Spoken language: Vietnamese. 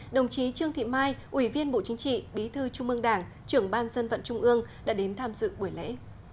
đồng chí trương thị mai ủy viên bộ chính trị bí thư trung ương đảng trưởng ban dân vận trung ương đã đến tham dự buổi lễ